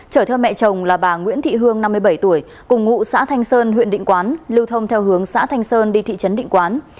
chở theo mẹ chồng là bà nguyễn thị hương năm mươi bảy tuổi cùng ngụ xã thanh sơn huyện định quán lưu thông theo hướng xã thanh sơn đi thị trấn định quán